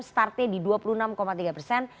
startnya di dua puluh enam tiga persen